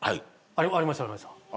ありましたありました。